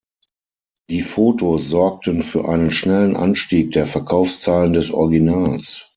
Die Fotos sorgten für einen schnellen Anstieg der Verkaufszahlen des Originals.